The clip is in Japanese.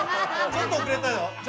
ちょっと遅れた。